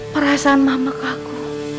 perasaan mama ke aku